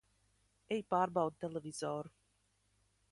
Ej pārbaudi televizoru!